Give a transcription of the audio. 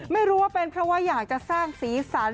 ไม่รู้ว่าเป็นเพราะว่าอยากจะสร้างสีสัน